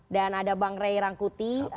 dan ada bang ray rangkuti